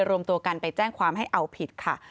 รวมตัวกันไปแจ้งความให้เอาผิดค่ะ